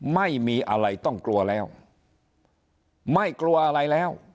ไม่มีอะไรต้องกลัวแล้วไม่กลัวอะไรแล้ว